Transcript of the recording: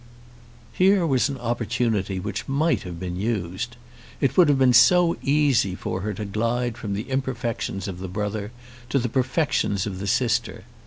Here was an opportunity which might have been used. It would have been so easy for her to glide from the imperfections of the brother to the perfections of the sister.